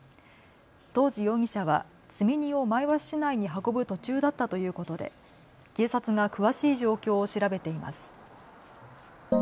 当時、容疑者は積み荷を前橋市内に運ぶ途中だったということで警察が詳しい状況を調べています。